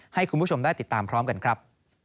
ให้คุณผู้ชมได้ติดตามพร้อมกันครับ